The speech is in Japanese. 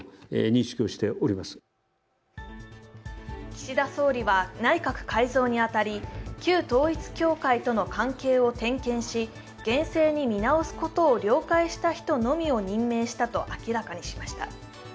岸田総理は内閣改造に当たり、旧統一教会との関係を点検し、厳正に見直すことを了解した人のみを任命したと明らかにしました。